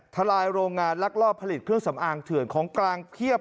ทลายโรงงานลักลอบผลิตเครื่องสำอางเถื่อนของกลางเพียบ